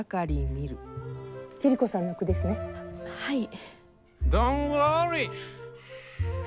はい。